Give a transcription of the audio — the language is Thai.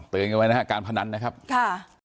กันไว้นะครับการพนันนะครับค่ะ